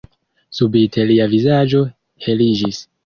Subite lia vizaĝo heliĝis.